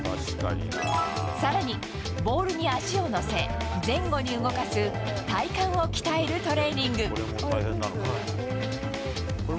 さらに、ボールに足を乗せ、前後に動かす、体幹を鍛えるトレーニング。